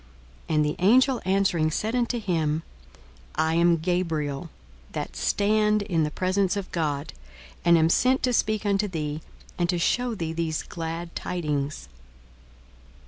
42:001:019 And the angel answering said unto him, I am Gabriel, that stand in the presence of God; and am sent to speak unto thee, and to shew thee these glad tidings.